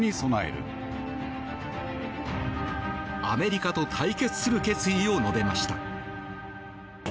アメリカと対決する決意を述べました。